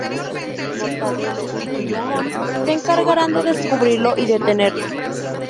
Mortadelo y Filemón se encargarán de descubrirlo y detenerlo.